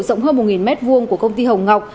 rộng hơn một m hai của công ty hồng ngọc